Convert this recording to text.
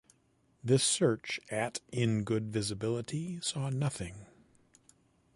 This search at in good visibility saw nothing.